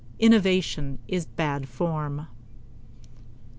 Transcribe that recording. Innovation is bad form.